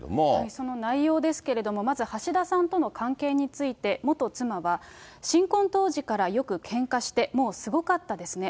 その内容ですけれども、まず橋田さんとの関係について、元妻は、新婚当時からよくけんかして、もうすごかったですね。